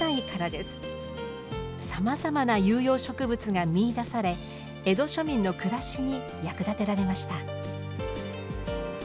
さまざまな有用植物が見いだされ江戸庶民の暮らしに役立てられました。